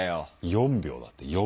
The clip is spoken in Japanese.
４秒だって４秒。